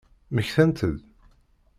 Mmektant-d?